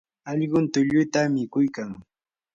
allqum tulluta mikuykan.